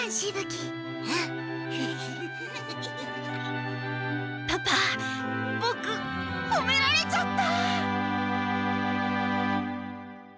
心の声パパボクほめられちゃった！